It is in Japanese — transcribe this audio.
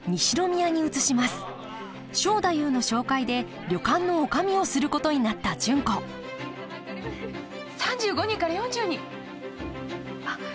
正太夫の紹介で旅館の女将をすることになった純子３５人から４０人あっ高校野球の？